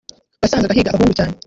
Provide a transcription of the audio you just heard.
wasangaga higa abahungu cyane